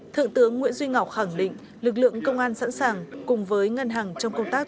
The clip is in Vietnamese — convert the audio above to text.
thượng tướng nguyễn duy ngọc khẳng định lực lượng công an sẵn sàng cùng với ngân hàng trong công tác